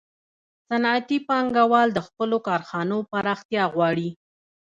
صنعتي پانګوال د خپلو کارخانو پراختیا غواړي